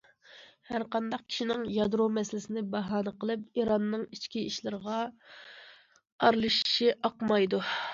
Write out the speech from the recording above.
ھەر قانداق كىشىنىڭ يادرو مەسىلىسىنى باھانە قىلىپ ئىراننىڭ ئىچكى ئىشلىرىغا ئارىلىشىشى ئاقمايدۇ.